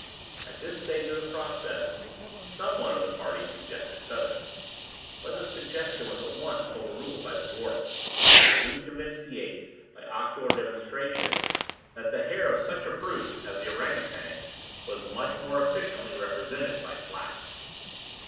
At this stage of the process, some one of the party suggested feathers; but the suggestion was at once overruled by the dwarf, who soon convinced the eight, by ocular demonstration, that the hair of such a brute as the ourang outang was much more efficiently represented by flax.